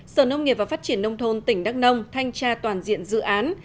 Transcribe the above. sở nông nghiệp và phát triển nông thôn tỉnh đắk nông thanh tra toàn diện dự án